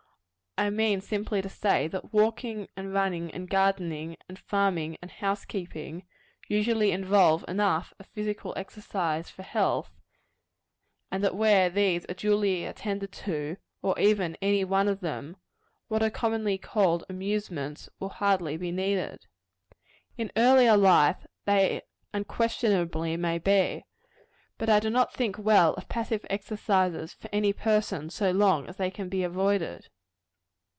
I mean simply to say, that walking, and running, and gardening, and farming, and house keeping, usually involve enough of physical exercise for health; and that where these are duly attended to or even any one of them what are commonly called amusement's will hardly be needed. In earlier life, they unquestionably may be. But I do not think well of passive exercises for any person, so long as they can be avoided.